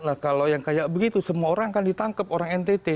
nah kalau yang kayak begitu semua orang kan ditangkap orang ntt